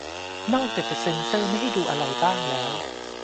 นอกจากจะเซ็นเซอร์ไม่ให้ดูอะไรบ้างแล้ว